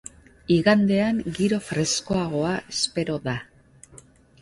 Igandean giro freskoagoa espero da.